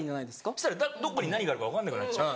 そしたらどこに何があるか分かんなくなっちゃう。